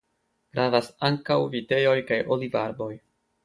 Gravas ankaŭ vitejoj kaj olivarboj.